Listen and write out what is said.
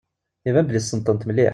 Iban belli tessneḍ-tent mliḥ.